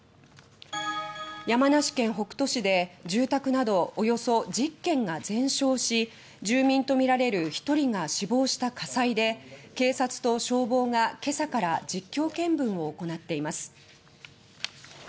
山梨県北杜市で住宅などおよそ１０軒が全焼し住民とみられる１人が死亡した火災で警察と消防が今朝から実況見分を行っています。